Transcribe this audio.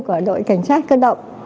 của đội cảnh sát cơ động